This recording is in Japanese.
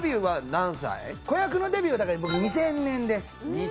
子役のデビューは僕２０００年です。